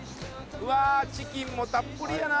うわ、チキンもたっぷりやな。